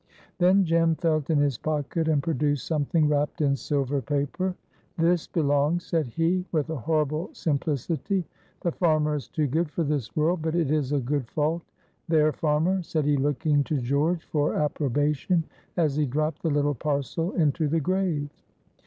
Then Jem felt in his pocket and produced something wrapped in silver paper. "This belongs!" said he, with a horrible simplicity. "The farmer is too good for this world, but it is a good fault. There, farmer," said he, looking to George for approbation as he dropped the little parcel into the grave.